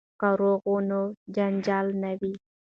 که روغه وي نو جنجال نه وي.